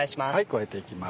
加えていきます。